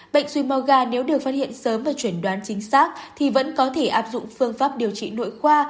bệnh suy mô gà nếu được phát hiện sớm và chuyển đoán chính xác thì vẫn có thể áp dụng phương pháp điều trị nội khoa